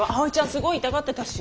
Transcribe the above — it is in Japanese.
すごい痛がってたし。